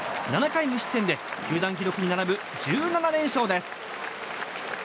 ７回無失点で球団記録に並ぶ１７連勝です！